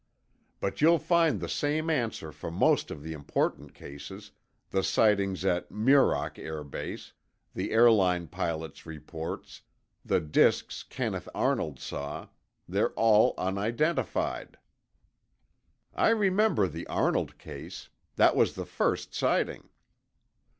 But you'll find the same answer for most of the important cases—the sightings at Muroc Air Base, the airline pilots' reports, the disks Kenneth Arnold saw—they're all unidentified." "I remember the Arnold case. That was the first sighting."